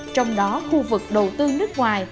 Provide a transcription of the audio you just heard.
trong đó khu vực đầu tư nước ngoài